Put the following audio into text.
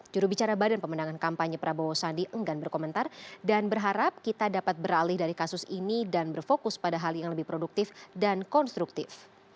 jurubicara badan pemenangan kampanye prabowo sandi enggan berkomentar dan berharap kita dapat beralih dari kasus ini dan berfokus pada hal yang lebih produktif dan konstruktif